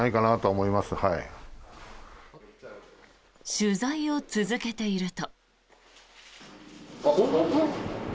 取材を続けていると。